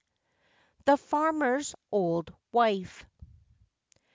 THE FARMER'S OLD WIFE.